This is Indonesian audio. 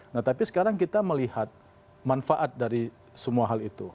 nah tapi sekarang kita melihat manfaat dari semua hal itu